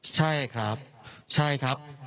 ใช่ครับใช่ครับ